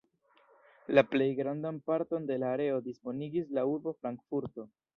La plej grandan parton de la areo disponigis la urbo Frankfurto.